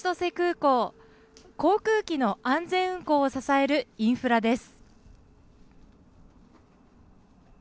航空機の安全運航を支えるインフラです。